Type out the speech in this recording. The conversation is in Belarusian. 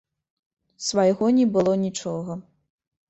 Свайго не было нічога.